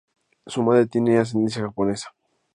Su madre tiene ascendencia Japonesa.